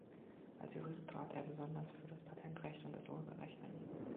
Als Jurist trat er besonders für das Patentrecht und das Urheberrecht ein.